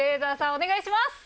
お願いします！